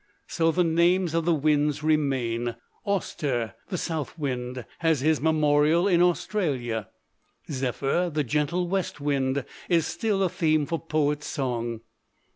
So the names of the winds remain. Auster, the south wind, has his memorial in Australia. Zephyr, the gentle west wind, is still a theme for poet's song.